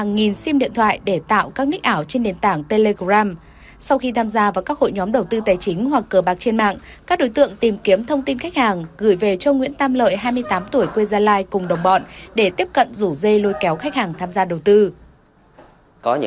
nhiều người đã tìm kiếm thông tin khách hàng gửi về cho nguyễn tam lợi hai mươi tám tuổi quê gia lai cùng đồng bọn để tiếp cận rủ dây lôi kéo khách hàng tham gia đầu tư